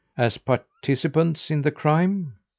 As participants in the crime?